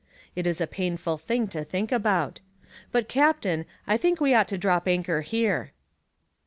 It is a painful thing to think about. But, captain, I think we ought to drop anchor here."